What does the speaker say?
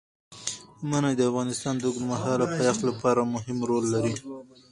منی د افغانستان د اوږدمهاله پایښت لپاره مهم رول لري.